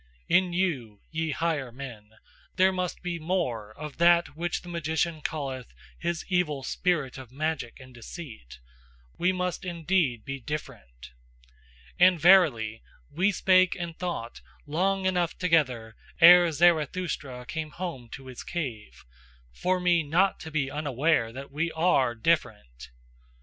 In you, ye higher men, there must be more of that which the magician calleth his evil spirit of magic and deceit: we must indeed be different. And verily, we spake and thought long enough together ere Zarathustra came home to his cave, for me not to be unaware that we ARE different.